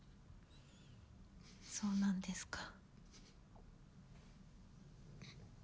そうなんですか。